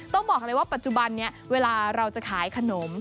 ต้องบอกเลยว่าปัจจุบันนี้เวลาเราจะขายขนม